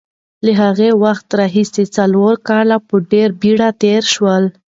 له هغه وخته راهیسې څلور کاله په ډېرې بېړې تېر شول.